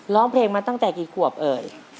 ร้องเพลงมาตั้งแต่กี่ขวบเอ่ย